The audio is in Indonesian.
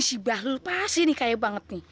wah si bahlul pasti kayak banget nih